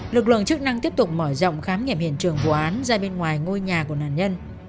lực lượng chức năng tiếp tục mở rộng khám nghiệm hiện trường vụ án ra bên ngoài ngôi nhà của nạn nhân